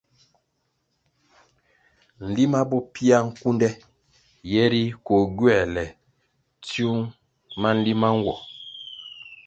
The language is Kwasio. Nlima bo pia nkunde yeri koh gywēle tsiung ma nlima nwo.